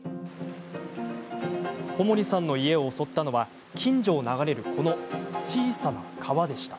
小森さんの家を襲ったのは近所を流れるこの小さな川でした。